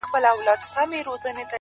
ژمنتیا له خوبه عمل جوړوي’